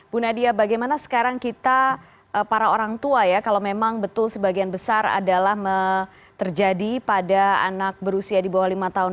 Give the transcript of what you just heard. bu nadia bagaimana sekarang kita para orang tua ya kalau memang betul sebagian besar adalah terjadi pada anak berusia di bawah lima tahun